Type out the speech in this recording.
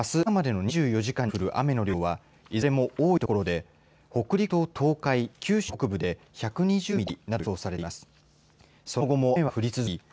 あす朝までの２４時間に降る雨の量は、いずれも多い所で、北陸と東海、九州北部で１２０ミリなどと予想されています。